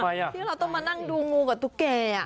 ที่เราต้องมานั่งดูงูกับตุ๊กแก่